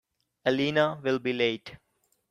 Elena will be late.